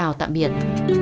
xin chào tạm biệt